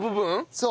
そう。